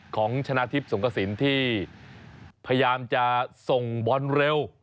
ของชนะทิพย์สงกระสินที่พยายามจะส่งบอลเร็ว